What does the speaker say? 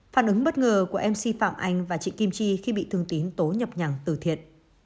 phản ứng bất ngờ của mc phạm anh và chị kim chi khi bị thương tín tố nhập nhằng từ thiện